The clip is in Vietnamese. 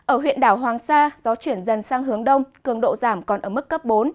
ở huyện đảo hoàng sa gió chuyển dần sang hướng đông cường độ giảm còn ở mức cấp bốn